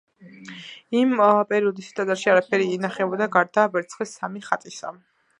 იმ პერიოდისთვის ტაძარში არაფერი ინახებოდა, გარდა ვერცხლის სამი ხატისა.